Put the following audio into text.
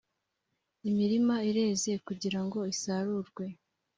imirima ireze kugira ngo isarurwe